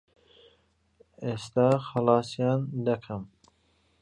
ئێستا خەلاسیان دەکەم.